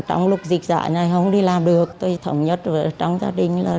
trong lúc dịch dạy này không đi làm được tôi thống nhất với trong gia đình là